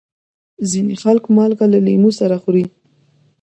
ځینې خلک مالګه له لیمو سره خوري.